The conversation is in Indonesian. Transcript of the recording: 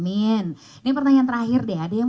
ini pertanyaan terakhir deh ada yang